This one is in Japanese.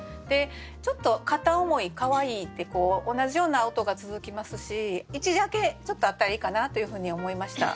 ちょっと「片思い」「可愛い」って同じような音が続きますし一字空けちょっとあったらいいかなというふうに思いました。